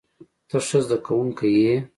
ته ښه زده کوونکی یې.